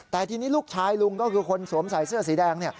แต่ทีนี้ลูกชายลุงก็คือคนสวมใส่เสื้อสีแดง